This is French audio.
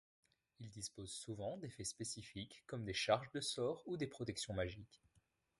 Ils disposent souvent d'effets spécifiques comme des charges de sorts ou des protections magiques.